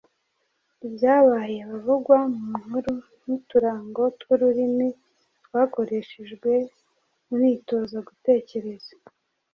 ibyabaye, abavugwa mu nkuru n’uturango tw’ururimi rwakoreshejwe unitoza gutekereza